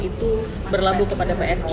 itu berlabuh kepada psi